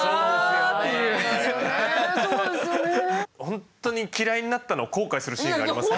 ほんとに嫌いになったのを後悔するシーンがあります。